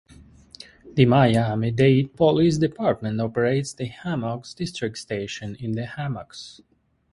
The Miami-Dade Police Department operates the Hammocks District Station in The Hammocks.